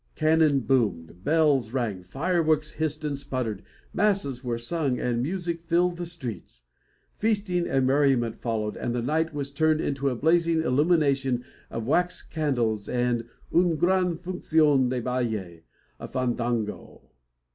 Cannon boomed, bells rang, fireworks hissed and sputtered, masses were sung, and music filled the streets. Feasting and merriment followed, and the night was turned into a blazing illumination of wax candles, and un gran funcion de balle a fandango.